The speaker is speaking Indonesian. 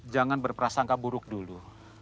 jangan berprasangka buruk dulu